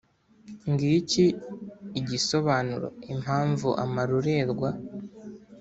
ngiki igisobanura impamvu amarorerwa